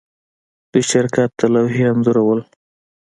د شرکت د لوحې انځورول